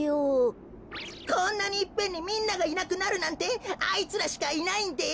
こんなにいっぺんにみんながいなくなるなんてあいつらしかいないんです。